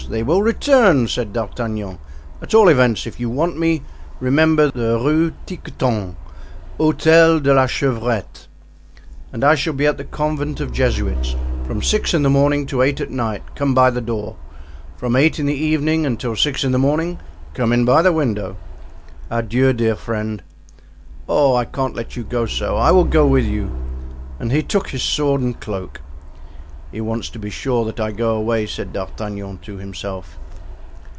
They will return," said D'Artagnan. "At all events, if you want me, remember the Rue Tiquetonne, Hotel de la Chevrette." "And I shall be at the convent of Jesuits; from six in the morning to eight at night come by the door. From eight in the evening until six in the morning come in by the window." "Adieu, dear friend." "Oh, I can't let you go so! I will go with you." And he took his sword and cloak. "He wants to be sure that I go away," said D'Artagnan to himself.